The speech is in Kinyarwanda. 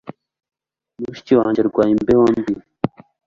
Mushiki wanjye arwaye imbeho mbi.